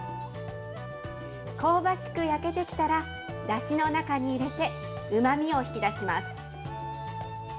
香ばしく焼けてきたら、だしの中に入れて、うまみを引き出します。